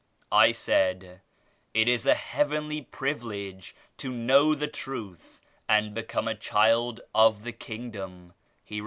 I said, "It is a heavenly privilege to know the Truth and become a child of the Kingdooa ".. He.